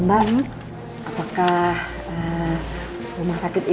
masih kursi gitu